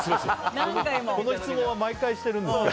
この質問は毎回してるんですよ。